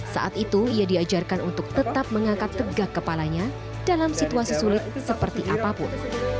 saat itu ia diajarkan untuk tetap mengangkat tegak kepalanya dalam situasi sulit seperti apapun